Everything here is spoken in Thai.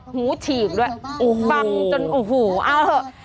โอ้โหฉีกด้วยบังจนโอ้โหเอาเหอะ